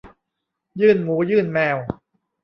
ยื่นหมูยื่นแมว